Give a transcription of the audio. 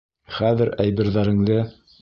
Хәҙер әйберҙәреңде...